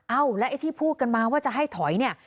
เอ้าแล้วไอ้ที่พูดกันมาว่าจะให้ถอยเนี่ย